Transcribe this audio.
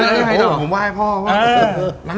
อ่าหรอผมว่าให้พ่อว่าเหรอ